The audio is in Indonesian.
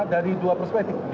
dari dua perspektif